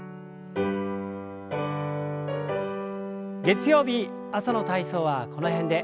月曜日朝の体操はこの辺で。